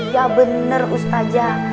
ya bener ustazah